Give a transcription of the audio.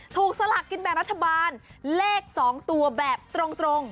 ถูกสลักกินแบบรัฐบาลเลขสองตัวแบบตรง